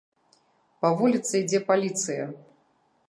Па вуліцы ідзе паліцыя!